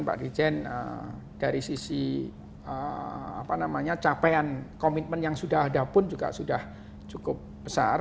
pak dirjen dari sisi capaian komitmen yang sudah ada pun juga sudah cukup besar